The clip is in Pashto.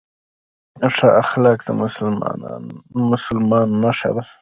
ښه اخلاق د مسلمان نښه ده